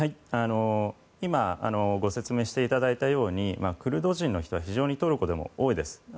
今、ご説明していただいたようにクルド人の人は非常にトルコでも多いです。